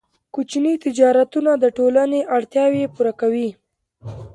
کوچني تجارتونه د ټولنې اړتیاوې پوره کوي.